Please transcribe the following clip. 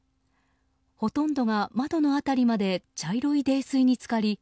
ほとんどが窓の辺りまで茶色い泥水に浸かり